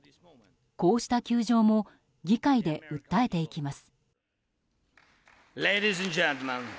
こうした窮状も議会で訴えていきます。